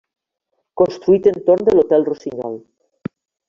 Construït entorn de l'Hotel Rossinyol.